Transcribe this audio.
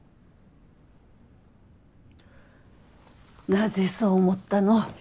なぜそう思ったの？